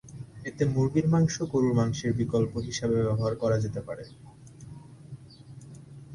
এতে মুরগির মাংস গরুর মাংসের বিকল্প হিসাবে ব্যবহার করা যেতে পারে।